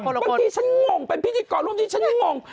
บางทีฉันงงเป็นพิจิกรบางทีฉันงง